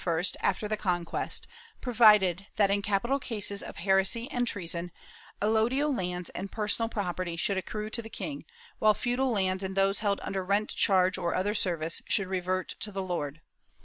The earhest fuero of Valencia, granted by Jaime I after the conquest, provided that, in capital cases of heresy and treason, allodial lands and personal property should accrue to the king, while feudal lands and those held under rent charge or other service, should revert to the lord.